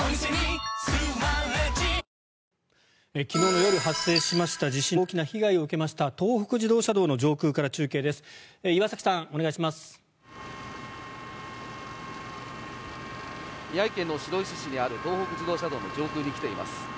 昨日の夜発生した地震で大きな被害を受けました東北自動車道の上空から中継です。